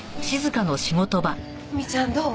海ちゃんどう？